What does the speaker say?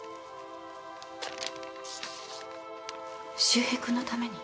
周平君のために？